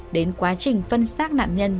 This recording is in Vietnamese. đến quá trình phân xác nạn nhân